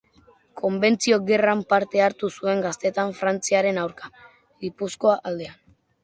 Konbentzio Gerran parte hartu zuen gaztetan frantziarren aurka, Gipuzkoa aldean.